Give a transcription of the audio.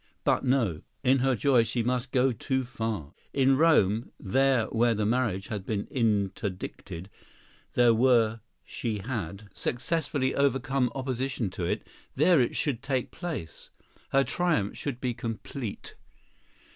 But no. In her joy she must go too far. In Rome, there where the marriage had been interdicted, there where she had successfully overcome opposition to it, there it should take place. Her triumph should be complete.